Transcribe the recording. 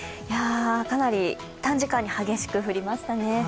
かなり短時間に激しく降りましたね。